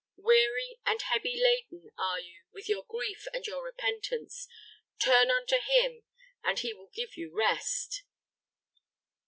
Weary and heavy laden are you with your grief and your repentance; turn unto him, and he will give you rest!"